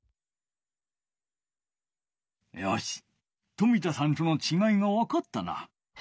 よし冨田さんとのちがいがわかったな。